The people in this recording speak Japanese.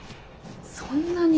そんなに？